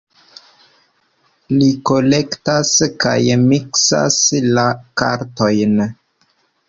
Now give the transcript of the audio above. Li kolektas kaj miksas la kartojn.